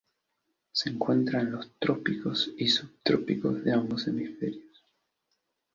Se encuentra en los trópicos y subtrópicos de ambos hemisferios.